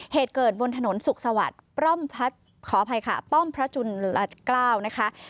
เหตุเกิดบนถนนสุขสวรรค์ป้อมพระจุนละเกล้านะคะ